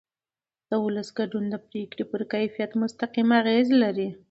د ولس ګډون د پرېکړو پر کیفیت مستقیم اغېز لري